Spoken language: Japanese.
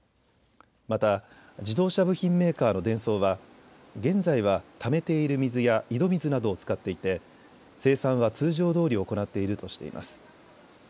また自動車部品メーカーのデンソーは現在はためている水や井戸水などを使っていて生産は通常どおり行っているとしています。